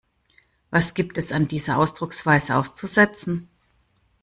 Was gibt es an dieser Ausdrucksweise auszusetzen?